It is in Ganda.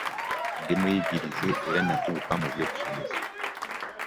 Ndi muyigirize era nakuguka mu byo kusomesa.